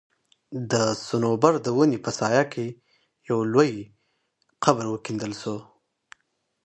د صنوبر د وني په سايه کي يو لوى قبر وکيندل سو